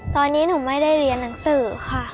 ตอนนี้หนูไม่ได้เรียนหนังสือค่ะ